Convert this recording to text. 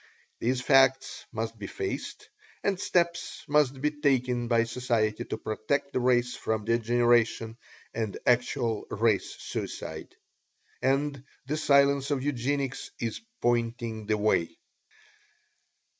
These facts must be faced, and steps must be taken by society to protect the race from degeneration and actual Race Suicide. And the Science of Eugenics is pointing the way.